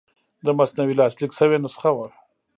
د مثنوي لاسلیک شوې نسخه وه.